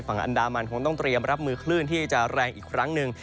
ฝั่งอันดามันคงต้องเตรียมรับมือคลื่นที่จะแรงอีกครั้งหนึ่ง